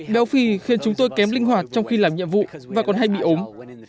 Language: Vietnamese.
béo phì khiến chúng tôi kém linh hoạt trong khi làm nhiệm vụ và còn hay bị ốm